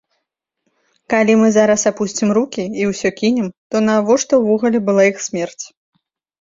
Калі мы зараз апусцім рукі і ўсё кінем, то навошта ўвогуле была іх смерць?